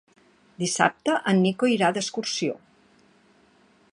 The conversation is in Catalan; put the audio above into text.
Dissabte en Nico irà d'excursió.